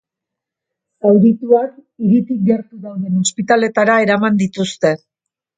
Zaurituak hiritik gertu dauden ospitaletara eraman dituzte.